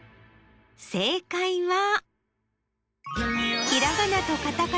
正解は。